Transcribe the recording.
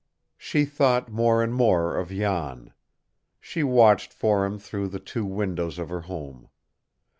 She thought more and more of Jan. She watched for him through the two windows of her home.